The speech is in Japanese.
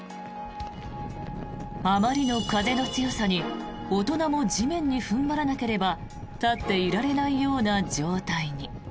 あまりの風の強さに大人も地面に踏ん張らなければ立っていられないような状態に。